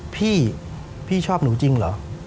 พี่พี่ชอบหนูจริงเหรอ